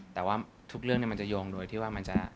แต่ว่าทุกเรื่องมันจะโยงโดยที่ว่ามันจะ